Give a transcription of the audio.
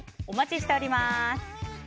お待ちしております。